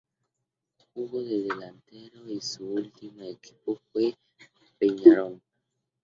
Jugó de delantero y su último equipo fue Peñarol.